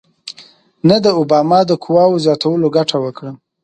نه د اوباما د قواوو زیاتولو ګټه وکړه.